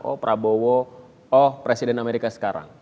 oh prabowo oh presiden amerika sekarang